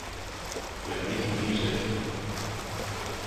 We’re making music.